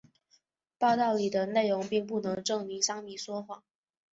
报道里的内容并不能证明桑兰撒谎。